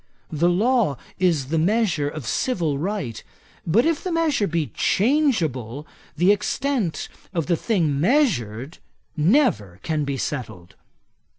The law is the measure of civil right; but if the measure be changeable, the extent of the thing measured never can be settled.